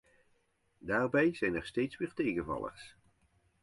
Daarbij zijn er steeds weer tegenvallers.